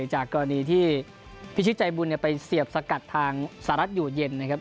จากกรณีที่พิชิตใจบุญไปเสียบสกัดทางสหรัฐอยู่เย็นนะครับ